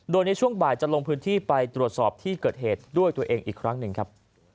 โดยในช่วงบ่ายจะลงพื้นที่ไปตรวจสอบที่เกิดเหตุด้วยตัวเองอีกครั้งหนึ่งครับ